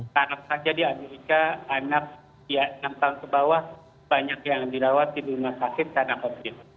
karena saja di amerika anak enam tahun ke bawah banyak yang dirawat di rumah sakit karena covid